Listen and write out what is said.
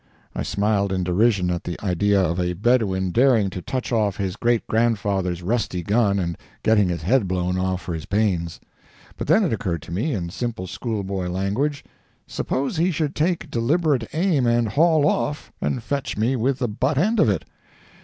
I smiled in derision at the idea of a Bedouin daring to touch off his great grandfather's rusty gun and getting his head blown off for his pains. But then it occurred to me, in simple school boy language, "Suppose he should take deliberate aim and 'haul off' and fetch me with the butt end of it?"